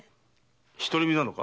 独り身なのか？